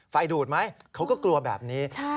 ไฟดูดไหมเขาก็กลัวแบบนี้